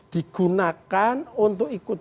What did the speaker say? digunakan untuk ikut